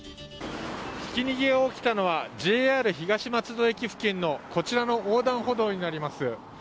ひき逃げが起きたのはＪＲ東松戸駅付近のこちらの横断歩道になります。